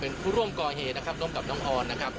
เป็นผู้ร่วมก่อเหตุนะครับร่วมกับน้องออนนะครับ